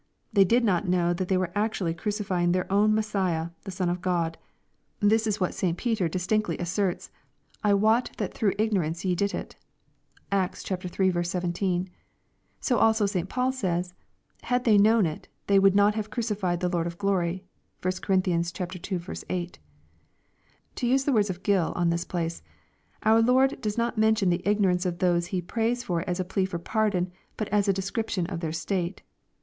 They did not know that they were actually crucifying their own Mes siah, the Son of God. — This is what St. Peter distinctly asserts, "I wot that through ignorance ye did it." (Acts iii. 17.) So also St. Paul says, " Had they known it, they would not have crucified the Lord of glory." (1 Cor. ii. 8.) To use the words of Gill on this place, our Lord " does not mention the ignorance of those He prays for as a plea for pardon, but as a description of their state."